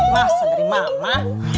masa dari mama